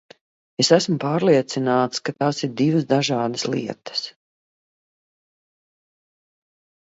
Es esmu pārliecināts, ka tās ir divas dažādas lietas.